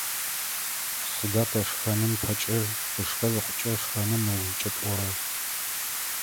Сыда тэ шхэным ыпэкӏэ, тышхэ зыхъукӏэ, шхэным ыужкӏэ тӏорэр?